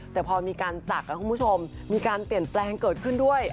แต่พอมีการศักดิ์คุณผู้ชมมีการเปลี่ยนแปลงเกิดขึ้นด้วย